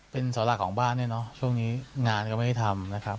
เป็นเสาหลักของบ้านเนี่ยเนาะช่วงนี้งานก็ไม่ได้ทำนะครับ